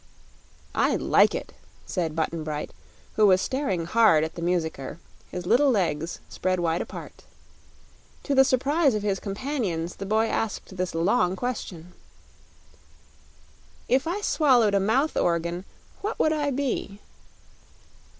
"I like it," said Button Bright, who was staring hard at the musicker, his little legs spread wide apart. To the surprise of his companions, the boy asked this long question: "If I swallowed a mouth organ, what would I be?"